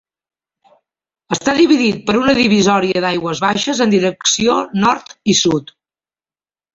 Està dividit per una divisòria d'aigües baixes en direcció nord i sud.